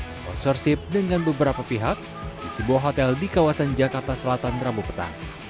sponsorship dengan beberapa pihak di sebuah hotel di kawasan jakarta selatan rabu petang